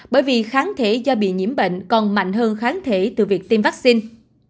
bởi vì kháng thể do bị nhiễm bệnh còn mạnh hơn kháng thể từ việc tiêm vaccine